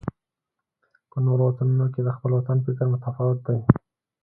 په نورو وطنونو کې د خپل وطن فکر متفاوت دی.